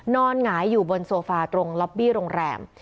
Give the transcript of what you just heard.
หงายอยู่บนโซฟาตรงล็อบบี้โรงแรม